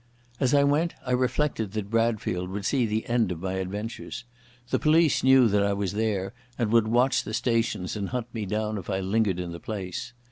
As I went I reflected that Bradfield would see the end of my adventures. The police knew that I was there and would watch the stations and hunt me down if I lingered in the place.